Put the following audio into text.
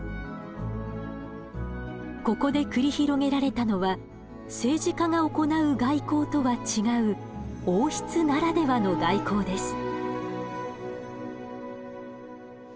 ここで繰り広げられたのは政治家が行う外交とは違う王室ならではの外交です。